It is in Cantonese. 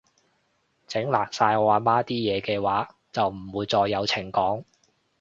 整爛晒我阿媽啲嘢嘅話，就唔會再有情講